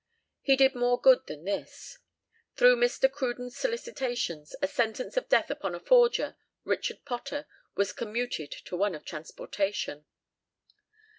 He did more good than this. Through Mr. Cruden's solicitations a sentence of death upon a forger, Richard Potter, was commuted to one of transportation.